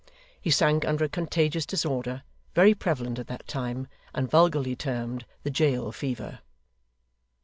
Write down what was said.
He sank under a contagious disorder, very prevalent at that time, and vulgarly termed the jail fever.